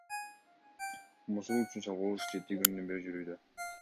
Мосул үчүн салгылаш жети күндөн бери жүрүүдө.